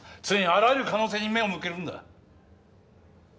常にあらゆる可能性に目を向けるんだ。